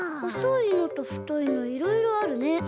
ほそいのとふといのいろいろあるね。